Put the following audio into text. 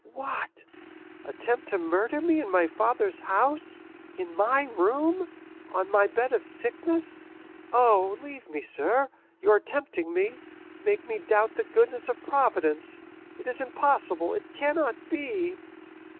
What?—attempt to murder me in my father's house, in my room, on my bed of sickness? Oh, leave me, sir; you are tempting me—you make me doubt the goodness of Providence—it is impossible, it cannot be!"